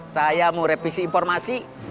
saya mau revisi informasi